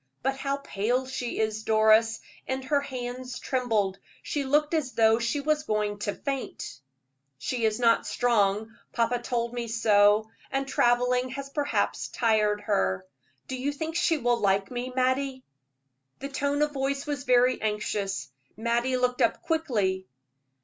But how pale she is, Doris, and her hands trembled. She looked as though she was going to faint." "She is not strong papa told me so and traveling has perhaps tired her. Do you think she will like me, Mattie?" The tone of voice was very anxious. Mattie looked up quickly.